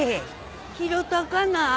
拾ったかな？